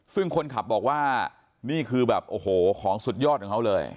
ซึ่งคนขับบอกว่านี่คือของสุดยอดของเขาเลย